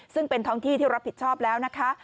ซึ่งเป็นท้องที่ที่รับผิดชอบแล้วนะคะ